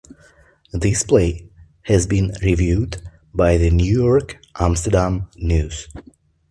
This play has been reviewed by The New York Amsterdam News.